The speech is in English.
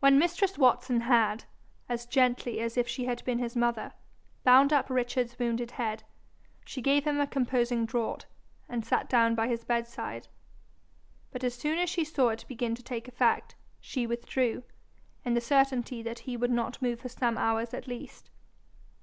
When mistress Watson had, as gently as if she had been his mother, bound up Richard's wounded head, she gave him a composing draught, and sat down by his bedside. But as soon as she saw it begin to take effect, she withdrew, in the certainty that he would not move for some hours at least.